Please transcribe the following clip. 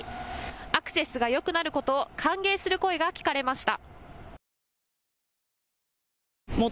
アクセスがよくなることを歓迎する声が聞かれました。